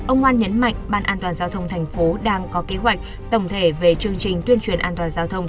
ông ngoan nhấn mạnh ban an toàn giao thông thành phố đang có kế hoạch tổng thể về chương trình tuyên truyền an toàn giao thông